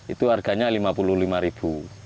itu harganya rp lima puluh lima ribu